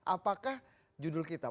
apakah judul kita